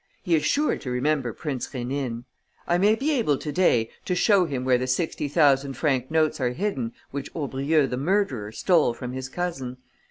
He is sure to remember Prince Rénine. I may be able to day to show him where the sixty thousand franc notes are hidden which Aubrieux the murderer stole from his cousin.